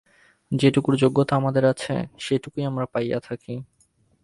যেটুকুর যোগ্যতা আমাদের আছে, সেইটুকুই আমরা পাইয়া থাকি।